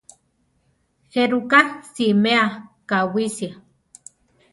¿Jéruka siméa kawísia?